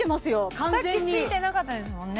完全にさっきついてなかったですもんね